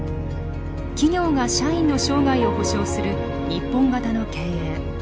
企業が社員の生涯を保障する日本型の経営。